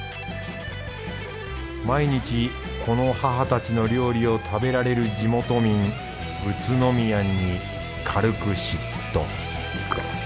毎日この母たちの料理を食べられる地元民うつのみやんに軽く嫉妬